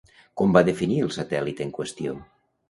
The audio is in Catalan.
Com va definir el satèl·lit en qüestió?